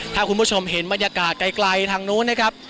ถ้าคุณผู้ชมเห็นบรรยากาศไกลทางนู้นนะครับ